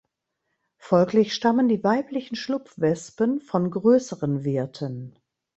Folglich stammen die weiblichen Schlupfwespen von größeren Wirten.